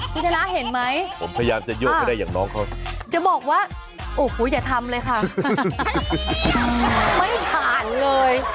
คุณชนะเห็นไหมจะบอกว่าโอ้โหอย่าทำเลยค่ะไม่ผ่านเลย